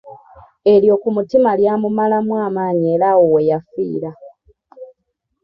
Ery’oku mutima lyamumalamu amaanyi era awo weyafiira.